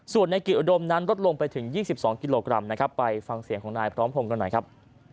ส่วนในกิจอุดมนั้นลดลงไปถึง๒๒กิโลกรัมนะครับไปฟังเสียงของนายพร้อมพงศ์กันหน่อยครับ